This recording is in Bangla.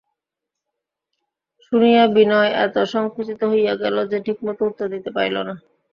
শুনিয়া বিনয় এত সংকুচিত হইয়া গেল যে ঠিকমত উত্তর দিতে পারিল না।